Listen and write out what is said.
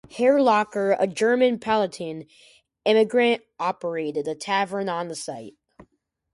Hairlocker, a German Palatine emigrant, operated a tavern on the site.